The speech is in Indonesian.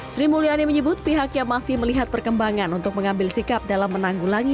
sri mulyani menyebut pihaknya masih melihat perkembangan untuk mengambil sikap dalam menanggulangi